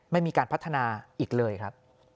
ไม่มีการพัฒนาอีกเลยครับ